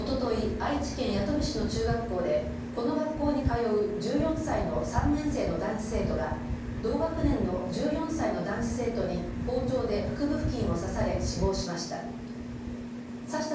愛知県弥富市の中学校でこの学校に通う１４歳の３年生の男子生徒が同学年の１４歳の男子生徒に包丁で腹部付近を刺され死亡しました。